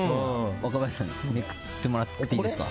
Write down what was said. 若林さん、めくってもらっていいですか？